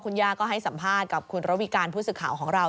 คุณย่าก็ให้สัมภาษณ์กับคุณระวิการผู้สื่อข่าวของเรา